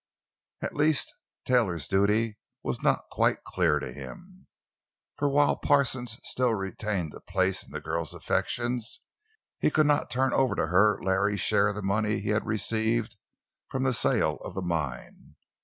At least, Taylor's duty was not quite clear to him. For while Parsons still retained a place in the girl's affections he could not turn over to her Larry's share of the money he had received from the sale of the mine.